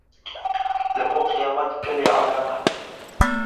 لەبۆ قیامەت گەلێ عەلامات